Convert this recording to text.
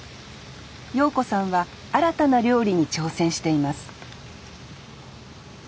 謡子さんは新たな料理に挑戦しています